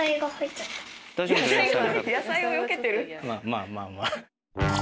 まあまあまあまあ。